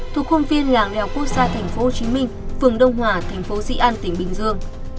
thuộc khuôn viên làng đèo quốc gia tp hcm phường đông hòa tp di an tỉnh bình dương